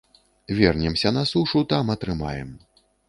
Вернемся на сушу, там атрымаем.